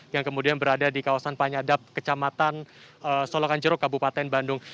yang kemudian berada di kawasan panyadap kecamatan solokan jeruk kabupaten bandung